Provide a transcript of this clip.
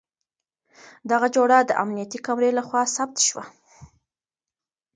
دغه جوړه د امنيتي کمرې له خوا ثبت شوه.